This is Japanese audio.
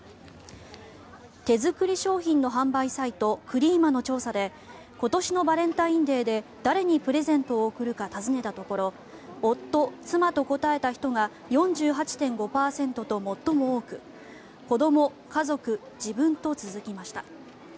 手作り商品の販売サイトＣｒｅｅｍａの調査で今年のバレンタインデーで誰にプレゼントを贈るか尋ねたところ夫・妻と答えた人が４８．５％と最も多く子ども、家族、自分と続きました。